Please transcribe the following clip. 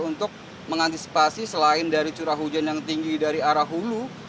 untuk mengantisipasi selain dari curah hujan yang tinggi dari arah hulu